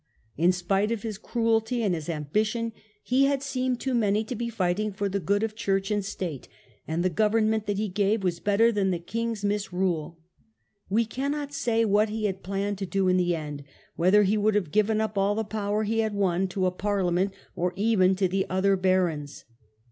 In spite of his cruelty and his ambition he had seemed Simon de to many to be fighting for the good of church Montfort. ^n^ State, and tdbe government that he gave was better than the king's misrule. We cannot say what he had planned to do in the end, whether he would have given up all the power he had won to a parliament or even to the other barons.